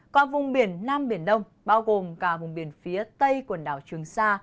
còn vùng biển nam biển đông bao gồm cả vùng biển phía tây quần đảo trường sa